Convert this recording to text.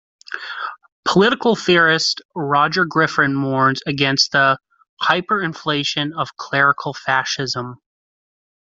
Political theorist Roger Griffin warns against the "hyperinflation of clerical fascism".